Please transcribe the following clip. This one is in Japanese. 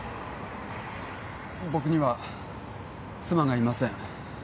僕には妻がいません